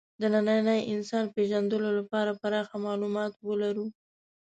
د ننني انسان پېژندلو لپاره پراخ معلومات ولرو.